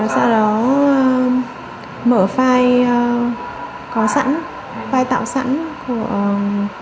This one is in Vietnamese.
sau đó mở file có sẵn file tạo sẵn